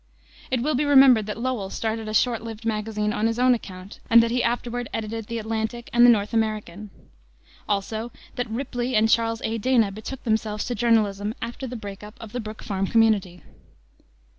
It will be remembered that Lowell started a short lived magazine on his own account, and that he afterward edited the Atlantic and the North American. Also that Ripley and Charles A. Dana betook themselves to journalism after the break up of the Brook Farm Community.